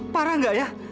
parah enggak ya